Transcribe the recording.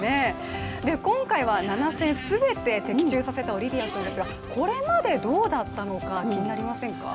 今回は７戦すべて的中させたオリビア君ですがこれまでどうだったのか気になりませんか？